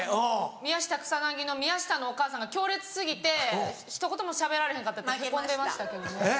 宮下草薙の宮下のお母さんが強烈過ぎてひと言もしゃべられへんかったってへこんでましたけどね。